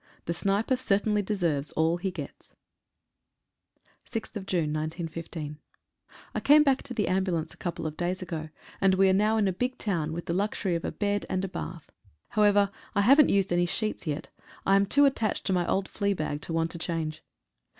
The sniper certainly deserves all he gets. <8> SS «• 6/6/15. 3 CAME back to the ambulance a couple of days ago, and we are now in a big town, with the luxury of a bed and a bath. However, I haven't used any sheets yet — I am too attached to my old flea bag to want to change.